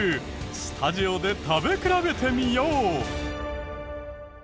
スタジオで食べ比べてみよう。